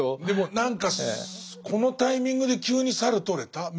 でも何かこのタイミングで急に猿とれた？